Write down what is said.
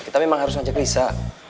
kita memang harus ajak risa